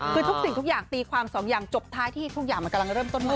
คือทุกสิ่งทุกอย่างตีความสองอย่างจบท้ายที่ทุกอย่างมันกำลังเริ่มต้นมาก